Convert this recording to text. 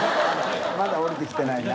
まだおりて来てないな。